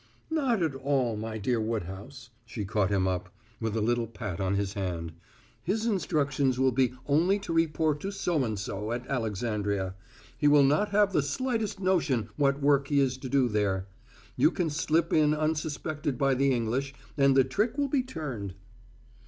"Not at all, my dear Woodhouse," she caught him up, with a little pat on his hand. "His instructions will be only to report to So and so at Alexandria; he will not have the slightest notion what work he is to do there. You can slip in unsuspected by the English, and the trick will be turned."